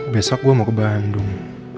besok gue mau ke bandung